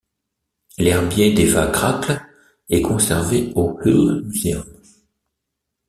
L'herbier d'Eva Crackles est conservé au Hull Museum.